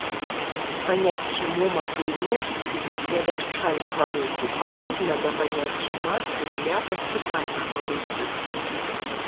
Паняцце моманту інерцыі для вярчальнага руху падобна да паняцця масы для паступальнага руху.